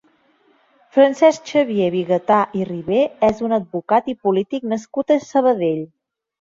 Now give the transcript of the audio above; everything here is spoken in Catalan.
Francesc Xavier Bigatà i Ribé és un advocat i polític nascut a Sabadell.